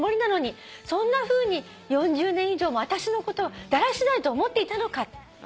「そんなふうに４０年以上も私のことをだらしないと思っていたのか。